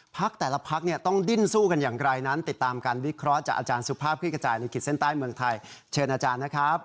แต่ละพักเนี่ยต้องดิ้นสู้กันอย่างไรนั้นติดตามการวิเคราะห์จากอาจารย์สุภาพคลิกกระจายในขีดเส้นใต้เมืองไทยเชิญอาจารย์นะครับ